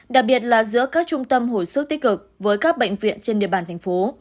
đặc biệt là giữa các trung tâm hồi sức tích cực với các bệnh viện trên địa bàn thành phố